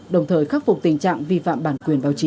đồng thời khắc phục tình trạng vi phạm bản quyền báo chí